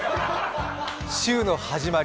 週の始まり